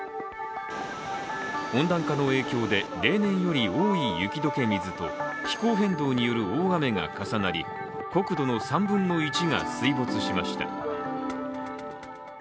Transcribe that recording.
温暖化の影響で、例年より多い雪解け水と気候変動による大雨が重なり国土の３分の１が水没しました。